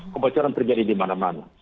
kebocoran terjadi dimana mana